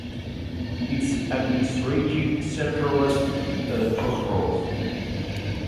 Its administrative centre was Pokrov.